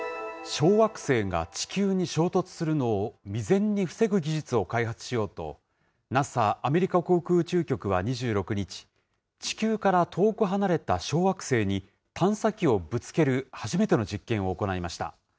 小惑星が地球に衝突するのを未然に防ぐ技術を開発しようと、ＮＡＳＡ・アメリカ航空宇宙局は２６日、地球から遠く離れた小惑星に、探査機をぶつける初めての実験を行いました。